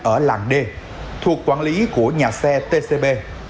ở làng d thuộc quản lý của nhà xe tcb